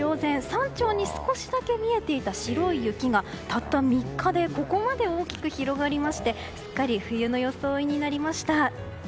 山頂に少しだけ見えていた白い雪がたった３日でここまで大きく広がりましてすっかり冬の装いになりました。